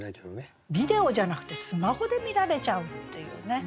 ビデオじゃなくてスマホで見られちゃうっていうね